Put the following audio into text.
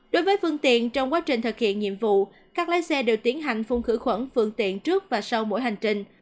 đối với phương tiện trong quá trình thực hiện nhiệm vụ các lái xe đều tiến hành phun khử khuẩn phương tiện trước và sau mỗi hành trình